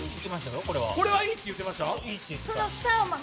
これはいいって言ってましたよ。